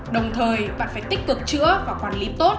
đồng thời vẫn phải tích cực chữa và quản lý tốt